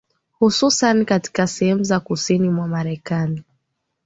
Hususani katika sehemu za kusini mwa marekani